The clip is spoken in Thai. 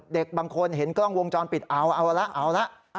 เด็กบางคนเห็นกล้องวงจรปิดเอาเอาละเอาละ